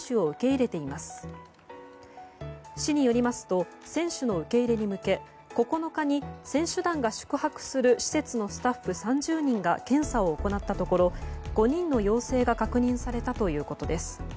市によりますと選手の受け入れに向け９日に選手団が宿泊する施設のスタッフ３０人が検査を行ったところ５人の陽性が確認されたということです。